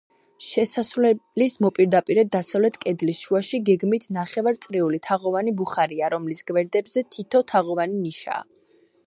შესასვლელის მოპირდაპირედ, დასავლეთ კედლის შუაში, გეგმით ნახევარწრიული, თაღოვანი ბუხარია, რომლის გვერდებზე თითო თაღოვანი ნიშაა.